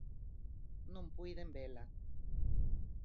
Non puiden vela.